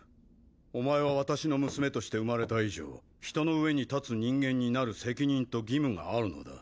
お前は私の娘として生まれた以上人の上に立つ人間になる責任と義務があるのだ。